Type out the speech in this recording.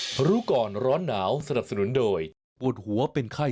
โปรดติดตามตอนต่อไป